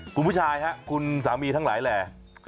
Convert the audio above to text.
คุณผู้ชายครับคุณสามีทั้งหลายแหล่